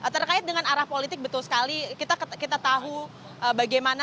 terkait dengan arah politik betul sekali kita tahu bagaimana